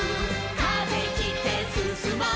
「風切ってすすもう」